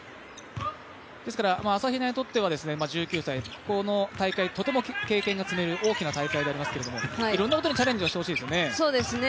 朝比奈にとっては１９歳、この大会、とても経験が積める大きな大会ですけれども、いろんなことにチャレンジしてほしいですね。